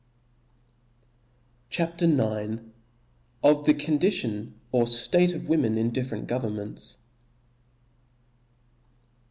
<: H A P. IX. ^Ofthe Condition or State of Women in different Governments.